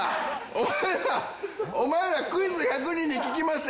お前らお前ら『クイズ１００人に聞きました』